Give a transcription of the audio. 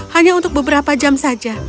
hanya untuk beberapa jam saja